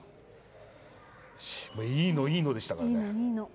「いいのいいのでしたからね」